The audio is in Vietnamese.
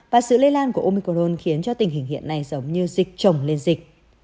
và sự lây lan của omicron khiến cho tình hình hiện nay giống như dịch chồng lên dịch